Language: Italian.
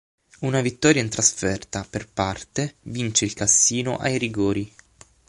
Una vittoria in trasferta per parte, vince il Cassino ai rigori.